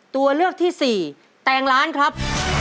ตัวเลือกที่สี่แตงล้านครับ